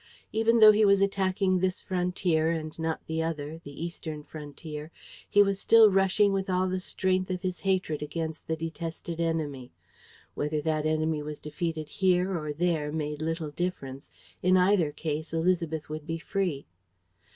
Even though he was attacking this frontier and not the other, the eastern frontier, he was still rushing with all the strength of his hatred against the detested enemy. Whether that enemy was defeated here or there made little difference. In either case, Élisabeth would be free.